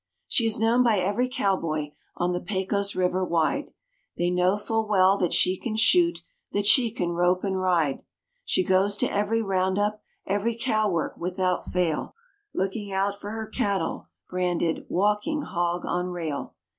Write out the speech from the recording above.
She is known by every cowboy on the Pecos River wide, They know full well that she can shoot, that she can rope and ride. She goes to every round up, every cow work without fail, Looking out for her cattle, branded "walking hog on rail."